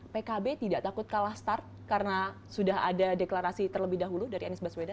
pkb tidak takut kalah start karena sudah ada deklarasi terlebih dahulu dari anies baswedan